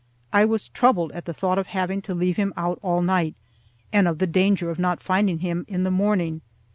I was troubled at the thought of having to leave him out all night, and of the danger of not finding him in the morning.